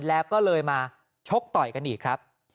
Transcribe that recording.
แล้วก็เลยมาชกต่อยกันอีกครับ